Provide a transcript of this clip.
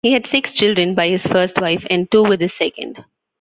He had six children by his first wife, and two with his second.